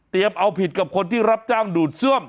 เตรียมเอาผิดกับคนที่รับจ้างหลุดเสื่อม